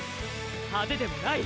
派手でもない！